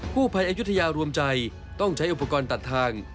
ผู้ภัยอายุทยารวมใจต้องใช้อุปกรณ์ตัดทาง